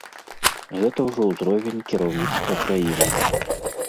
Гэта ўжо ўзровень кіраўніцтва краіны.